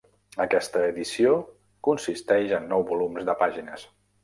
Aquesta edició consisteix en nou volums de pàgines.